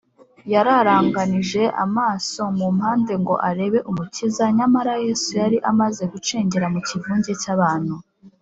, yararanganije amaso mu mpande ngo arebe Umukiza, nyamara Yesu yari yamaze gucengera mu kivunge cy’abantu.